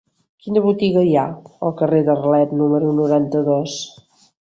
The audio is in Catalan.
Quina botiga hi ha al carrer d'Arlet número noranta-dos?